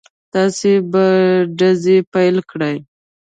تاسې به ډزې پيل کړئ.